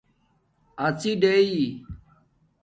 اڎݵ ڑݶ